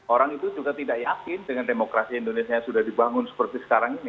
orang itu juga tidak yakin dengan demokrasi indonesia yang sudah dibangun seperti sekarang ini